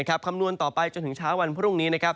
คำนวณต่อไปจนถึงเช้าวันพรุ่งนี้นะครับ